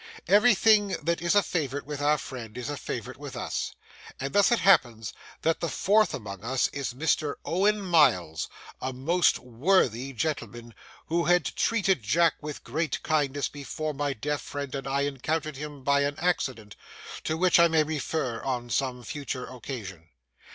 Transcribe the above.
Everything that is a favourite with our friend is a favourite with us; and thus it happens that the fourth among us is Mr. Owen Miles, a most worthy gentleman, who had treated Jack with great kindness before my deaf friend and I encountered him by an accident, to which I may refer on some future occasion.